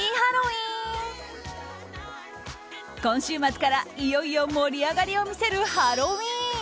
今週末から、いよいよ盛り上がりを見せるハロウィーン。